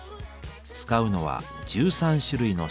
使うのは１３種類のスパイス。